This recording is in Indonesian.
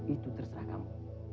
itu terserah kamu